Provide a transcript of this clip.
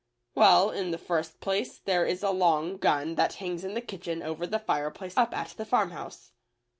Well, in the first place there is a long gun that hangs in the kitchen over the fireplace up at the farmhouse.